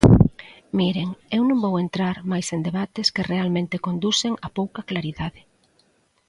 Miren, eu non vou entrar máis en debates que realmente conducen a pouca claridade.